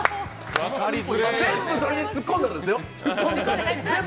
全部それに突っ込んだんですよ。